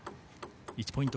１ポイント